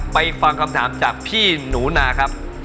ฟังคำถามจากพี่หนูนาครับ